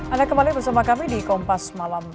anda kembali bersama kami di kompas malam ini